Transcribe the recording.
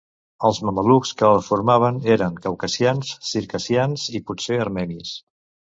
Els mamelucs que el formaven eren caucasians, circassians i potser armenis.